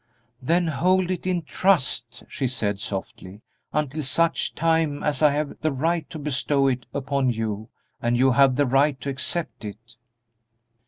"Then hold it in trust," she said, softly, "until such time as I have the right to bestow it upon you and you have the right to accept it."